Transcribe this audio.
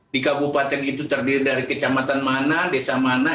di kabupaten itu terdiri dari kecamatan mana desa mana